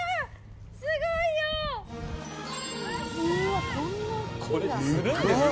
すごいよ！